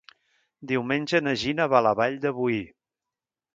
Diumenge na Gina va a la Vall de Boí.